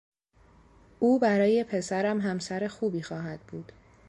او برای پسرم همسر خوبی خواهد بود.